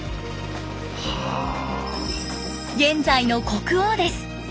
現在の国王です。